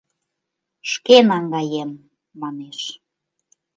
Шке наҥгаем», — манеш.